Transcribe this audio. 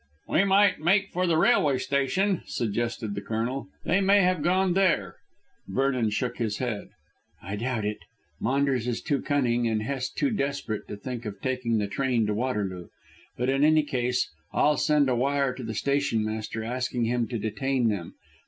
"We might make for the railway station," suggested the Colonel; "They may have gone there." Vernon shook his head. "I doubt it. Maunders is too cunning and Hest too desperate to think of taking the train to Waterloo. But, in any case, I'll send a wire to the stationmaster asking him to detain them.